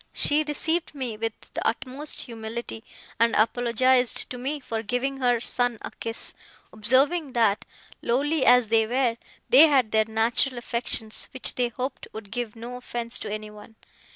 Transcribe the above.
She received me with the utmost humility, and apologized to me for giving her son a kiss, observing that, lowly as they were, they had their natural affections, which they hoped would give no offence to anyone.